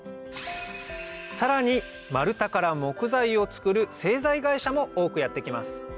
さらに丸太から木材を作る製材会社も多くやって来ます